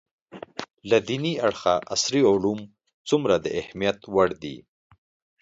له دیني اړخه عصري علوم څومره د اهمیت وړ دي